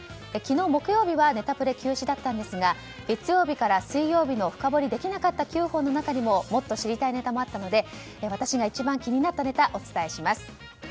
昨日、木曜日はネタプレ休止だったんですが月曜日から水曜日の深掘りできなかった中にももっと知りたいネタもあったので私が一番気になったネタをお伝えします。